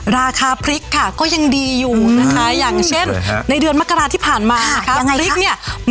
ร่มภาคเขามานี้